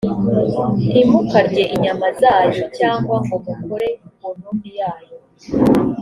ntimukarye inyama zayo cyangwa ngo mukore ku ntumbi yayo.